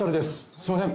「すいません。